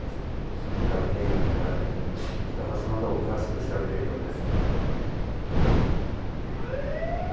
出火原因、並びに出火場所などを詳しく調べているようです。